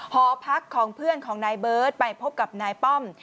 หอพักของเพื่อนของนายเบิร์ตไปพบกับนายป้อม